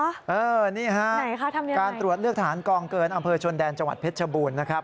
นี่ฮะการตรวจเลือกทหารกองเกินอำเภอชนแดนจังหวัดเพชรชบูรณ์นะครับ